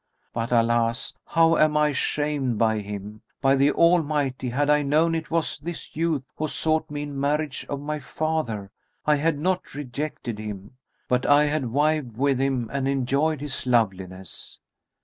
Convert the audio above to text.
But alas, how am I shamed by him! By the Almighty, had I known it was this youth who sought me in marriage of my father, I had not rejected him, but had wived with him and enjoyed his loveliness!"